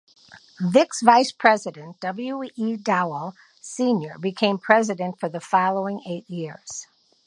Vick's vice president, W. E. Dowell, Senior became president for the following eight years.